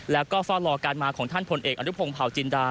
แล้วก็เฝ้ารอการมาของท่านพลเอกอนุพงศ์เผาจินดา